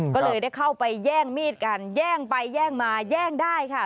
ก็เลยได้เข้าไปแย่งมีดกันแย่งไปแย่งมาแย่งได้ค่ะ